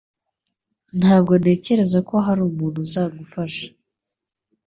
Ntabwo ntekereza ko hari umuntu uzagufasha